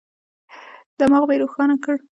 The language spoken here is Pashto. دماغ مي روښانه کړه.